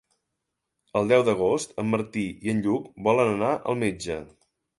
El deu d'agost en Martí i en Lluc volen anar al metge.